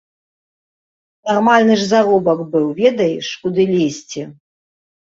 Нармальны ж заробак быў, ведаеш, куды лезці.